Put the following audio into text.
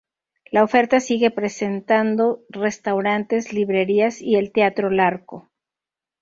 La oferta sigue presentando restaurantes, librerías y el "Teatro Larco".